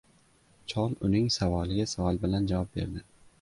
Chol uning savoliga savol bilan javob berdi: